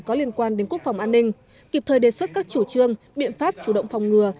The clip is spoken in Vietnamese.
có liên quan đến quốc phòng an ninh kịp thời đề xuất các chủ trương biện pháp chủ động phòng ngừa